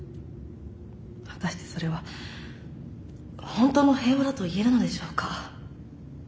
果たしてそれは本当の平和だと言えるのでしょうか。